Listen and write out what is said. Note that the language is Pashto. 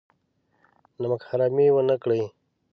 نمک حرامي ونه کړي.